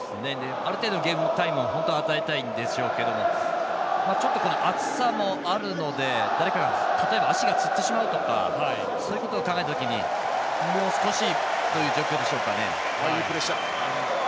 ある程度のゲームタイムを本当は与えたいんでしょうけどこの暑さもあるので誰かが例えば足をつってしまうとかいうのを考えた時にもう少しという状況でしょうか。